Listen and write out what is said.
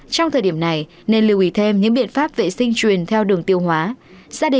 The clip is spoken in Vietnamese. trong thời điểm này nên lưu ý thêm những biện pháp vệ sinh truyền theo đường tiêu hóa